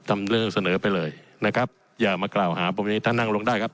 เรื่องเสนอไปเลยนะครับอย่ามากล่าวหาพวกนี้ท่านนั่งลงได้ครับ